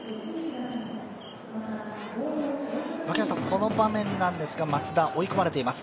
この場面なんですが松田追い込まれています。